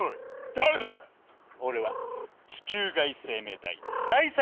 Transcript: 誰だよお前俺は地球外生命体対策